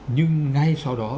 nhưng ngay sau đó